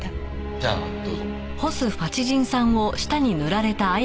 じゃあどうぞ。